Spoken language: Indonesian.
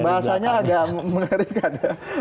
bahasanya agak mengerikan